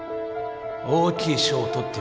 大きい賞を取ってみせるよ